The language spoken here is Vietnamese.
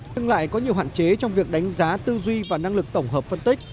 nhưng lại có nhiều hạn chế trong việc đánh giá tư duy và năng lực tổng hợp phân tích